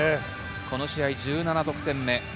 この試合、１７得点目。